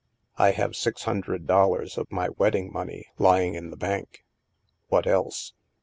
" I have six hundred dollars of my wedding money lying in the bank." "What else?"